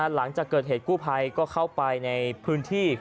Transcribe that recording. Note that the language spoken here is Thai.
หลังจากเกิดเหตุกู้ภัยก็เข้าไปในพื้นที่